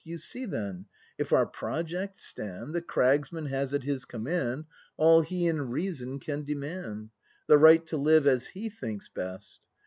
You see, then, if our project stand, The Cragsman has at his command All he in reason can demand, — The right to live as he thinks best.